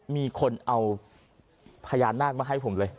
มีคนเอาพญานาคมาให้ผมเลย